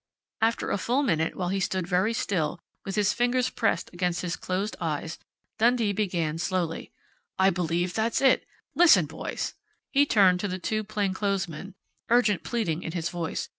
After a full minute, while he had stood very still, with his fingers pressed against his closed eyes, Dundee began slowly: "I believe that's it.... Listen, boys!" He turned to the two plainclothesmen, urgent pleading in his voice.